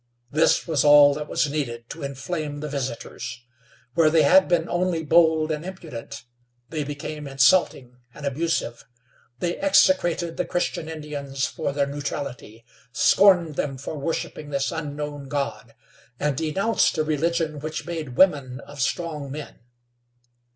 This was all that was needed to inflame the visitors. Where they had been only bold and impudent, they became insulting and abusive. They execrated the Christian Indians for their neutrality; scorned them for worshiping this unknown God, and denounced a religion which made women of strong men.